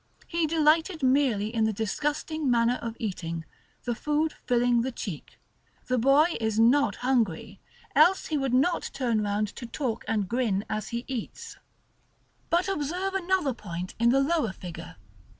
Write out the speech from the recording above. He delighted merely in the disgusting manner of eating, the food filling the cheek; the boy is not hungry, else he would not turn round to talk and grin as he eats. § LXI. But observe another point in the lower figure.